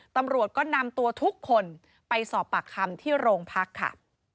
ตำรวจก็นำตัวทุกคนไปสอบปากคำที่โรงพักค่ะ